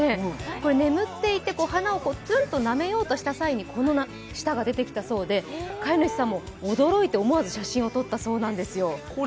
これ、眠っていて鼻をツンとなめようとしたときにこの舌が出てきたそうで、飼い主さんも驚いて思わず写真を撮ったそうなんですよ。